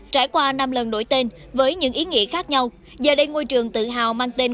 trải qua năm lần đổi tên với những ý nghĩa khác nhau giờ đây ngôi trường tự hào mang tên